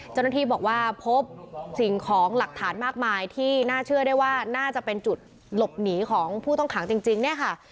เจ้าหน้าที่บอกว่าพบสิ่งของหลักฐานมากมายที่น่าเชื่อได้ว่าน่าจะเป็นจุดหลบหนีของผู้ต้องขังจริงเนี่ยค่ะ